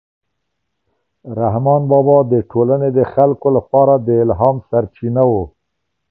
رحمان بابا د ټولنې د خلکو لپاره د الهام سرچینه و.